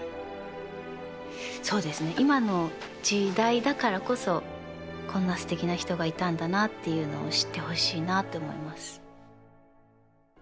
今の時代だからこそこんなすてきな人がいたんだなっていうのを知ってほしいなって思います。